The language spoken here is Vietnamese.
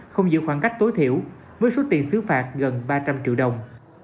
không giữ khoảng cách tối thiểu với suất tiền xử phạt gần ba trăm linh triệu đồng